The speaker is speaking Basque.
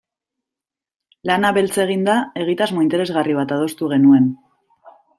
Lana beltz eginda, egitasmo interesgarri bat adostu genuen.